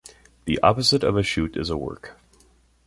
The opposite of a shoot is a work.